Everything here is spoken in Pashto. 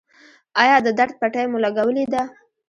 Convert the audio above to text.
ایا د درد پټۍ مو لګولې ده؟